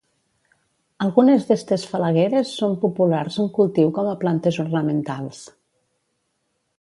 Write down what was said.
Algunes d'estes falagueres són populars en cultiu com a plantes ornamentals.